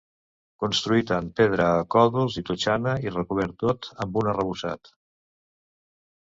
Construït en pedra a còdols i totxana i recobert tot amb un arrebossat.